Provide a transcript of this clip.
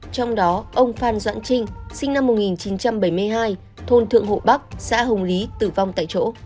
trong đó ông phan doãn trinh sinh năm một nghìn chín trăm bảy mươi hai thôn thượng hộ bắc xã hồng lý tử vong tại chỗ